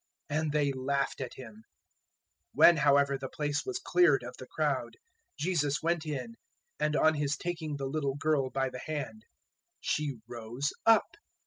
And they laughed at Him. 009:025 When however the place was cleared of the crowd, Jesus went in, and on His taking the little girl by the hand, she rose up.